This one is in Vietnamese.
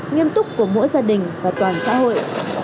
nghiêm túc của mỗi gia đình và toàn xã hội